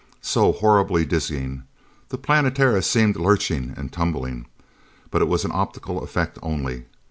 So horribly dizzying. The Planetara seemed lurching and tumbling. But it was an optical effect only.